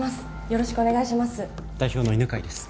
よろしくお願いします